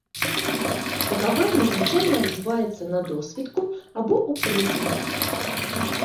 Такаванне звычайна адбываецца на досвітку або ў прыцемках.